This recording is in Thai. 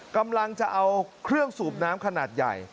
กำลังจะเอาเครื่องสูบน้ำขนาดใหญ่